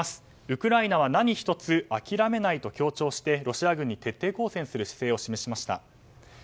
ウクライナは何一つ諦めないと強調してロシア軍に徹底抗戦する姿勢を示しました。